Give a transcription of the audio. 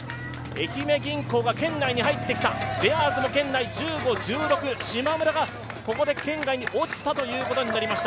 愛媛銀行が圏内に入ってきた、ベアーズも圏内、１５、１６、しまむらがここで圏外に落ちたということになります。